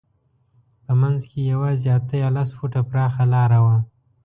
په منځ کې یې یوازې اته یا لس فوټه پراخه لاره وه.